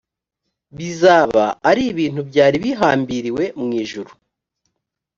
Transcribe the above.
bizaba ari ibintu byari bihambiriwe mu ijuru